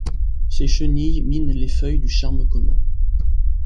Ses chenilles minent les feuilles du Charme commun.